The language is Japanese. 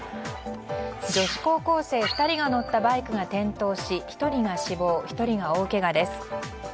女子高校生２人が乗ったバイクが転倒し１人が死亡、１人が大けがです。